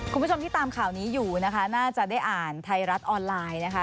คุณผู้ชมที่ตามข่าวนี้อยู่นะคะน่าจะได้อ่านไทยรัฐออนไลน์นะคะ